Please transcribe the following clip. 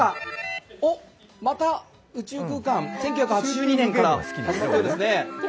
お、また宇宙空間、１９８２年から始まりますね。